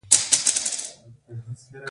آیا دوی د سرو زرو کانونه نلري؟